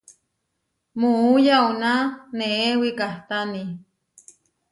Muú yauná neé wikahtáni.